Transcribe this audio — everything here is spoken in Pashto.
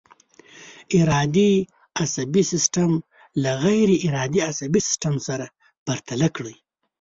ارادي عصبي سیستم له غیر ارادي عصبي سیستم سره پرتله کړئ.